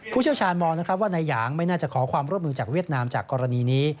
เชี่ยวชาญมองนะครับว่านายหยางไม่น่าจะขอความร่วมมือจากเวียดนามจากกรณีนี้